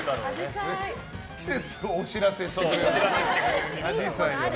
季節をお知らせしてくれてる。